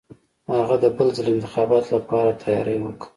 هغه د بل ځل انتخاباتو لپاره تیاری وکه.